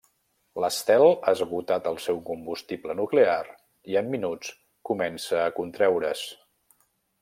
L'estel ha esgotat el seu combustible nuclear i en minuts comença a contreure's.